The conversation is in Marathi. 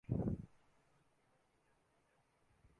परधर्मो भयावहः लेख, लेखिका इरावती कर्वे